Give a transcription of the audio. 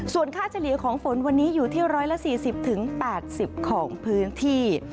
ส่วนค่าเฉลี่ยของฝนวันนี้อยู่ที่๑๔๐๘๐ของพื้นที่